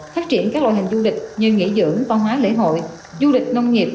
phát triển các loại hình du lịch như nghỉ dưỡng văn hóa lễ hội du lịch nông nghiệp